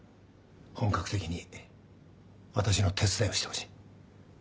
本格的に私の手伝いをしてほしい。